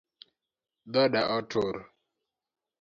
Dhoda otur